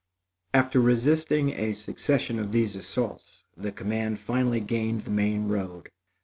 After resisting a succession of these assaults, the command finally gained the main road.